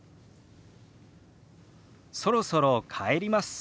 「そろそろ帰ります」。